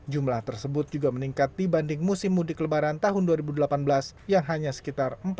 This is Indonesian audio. jumlah tersebut juga meningkat dibanding musim mudik lebaran tahun dua ribu delapan belas yang hanya sekitar